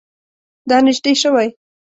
دا نژدې شوی؟